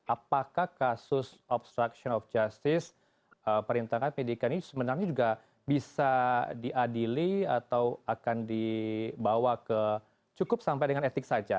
apakah kasus obstruction of justice perintangan pdk ini sebenarnya juga bisa diadili atau akan dibawa ke cukup sampai dengan etik saja